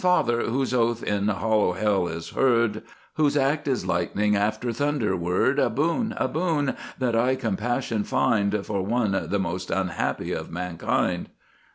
Father, whose oath in hollow hell is heard, Whose act is lightning after thunder word, A boon! a boon! that I compassion find For one, the most unhappy of mankind.